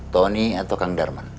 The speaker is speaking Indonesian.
tony atau kang darman